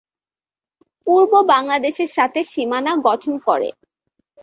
পূর্ব বাংলাদেশ এর সাথে সীমানা গঠন করে।